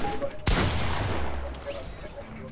له آوازه به یې ویښ ویده وطن سي.